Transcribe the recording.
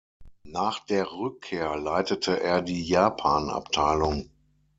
Nach der Rückkehr leitete er die Japan-Abteilung.